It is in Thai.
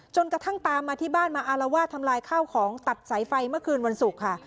กระทั่งตามมาที่บ้านมาอารวาสทำลายข้าวของตัดสายไฟเมื่อคืนวันศุกร์ค่ะ